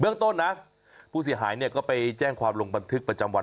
เรื่องต้นนะผู้เสียหายเนี่ยก็ไปแจ้งความลงบันทึกประจำวัน